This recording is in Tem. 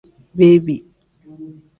Bebi.